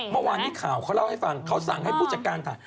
เมื่อวานนี้ข่าวเขาเล่าให้ฟังเขาสั่งให้ผู้จัดการถ่าย